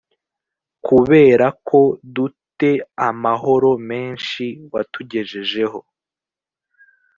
kubera ko du te amahoro menshil watugejejeho